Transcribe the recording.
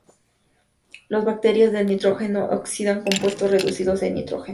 Las bacterias del nitrógeno oxidan compuestos reducidos de nitrógeno.